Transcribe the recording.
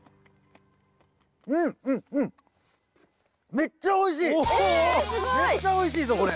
めっちゃおいしいぞこれ。